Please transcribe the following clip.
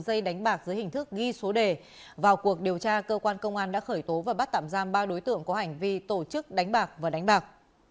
các dây đánh bạc dưới hình thức ghi số đề vào cuộc điều tra cơ quan công an đã khởi tố và bắt tạm giam ba đối tượng có hành vi tổ chức đánh bạc và đánh bạc